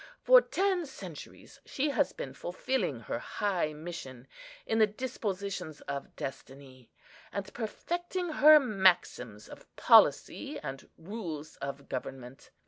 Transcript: For ten centuries she has been fulfilling her high mission in the dispositions of Destiny, and perfecting her maxims of policy and rules of government.